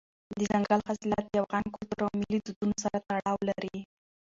دځنګل حاصلات د افغان کلتور او ملي دودونو سره تړاو لري.